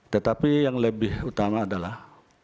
tetapi yang lebih utama adalah